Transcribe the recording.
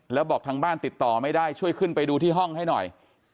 แล้วบอกทางบ้านติดต่อไม่ได้ช่วยขึ้นไปดูที่ห้องให้หน่อย